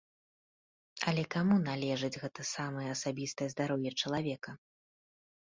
Але каму належыць гэта самае асабістае здароўе чалавека?